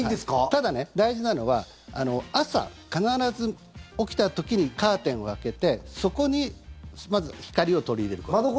ただ、大事なのは朝、必ず起きた時にカーテンを開けてそこにまず光を取り入れること。